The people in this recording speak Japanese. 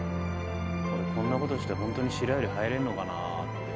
俺こんなことしてホントに白百合入れんのかなって。